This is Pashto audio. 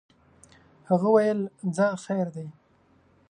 هغه ویل ځه خیر دی.